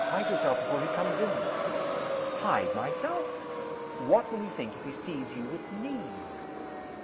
"Hide yourself before he comes in!" "Hide myself?" "What will he think if he sees you with _me?"